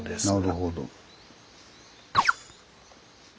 なるほど。